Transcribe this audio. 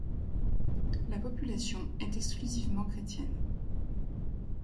La population est exclusivement chrétienne.